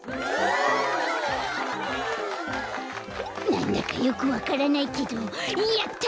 なんだかよくわからないけどやった！